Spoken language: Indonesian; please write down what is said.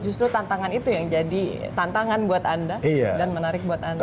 justru tantangan itu yang jadi tantangan buat anda dan menarik buat anda